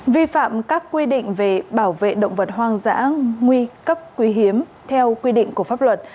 vi phạm các quy định về bảo vệ động vật hoang dã nguy cấp quý hiếm theo quy định của pháp luật